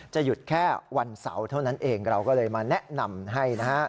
หยุดแค่วันเสาร์เท่านั้นเองเราก็เลยมาแนะนำให้นะฮะ